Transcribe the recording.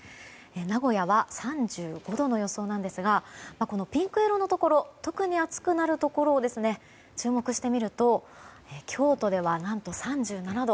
名古屋は３５度の予想なんですがこのピンク色のところ特に暑くなるところを注目してみると京都では何と３７度。